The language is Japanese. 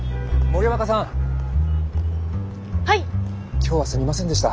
今日はすみませんでした。